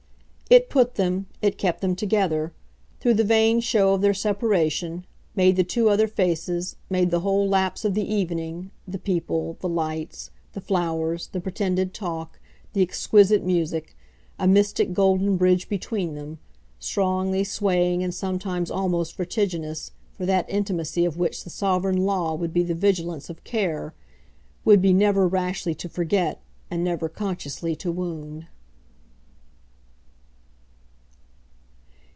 It put them, it kept them together, through the vain show of their separation, made the two other faces, made the whole lapse of the evening, the people, the lights, the flowers, the pretended talk, the exquisite music, a mystic golden bridge between them, strongly swaying and sometimes almost vertiginous, for that intimacy of which the sovereign law would be the vigilance of "care," would be never rashly to forget and never consciously to wound.